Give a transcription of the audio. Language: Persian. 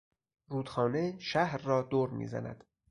رودخانه شهر را دور میزند.